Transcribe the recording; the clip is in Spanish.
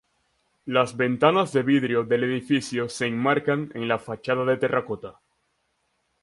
Las ventanas de vidrio del edificio se enmarcan en la fachada de terracota.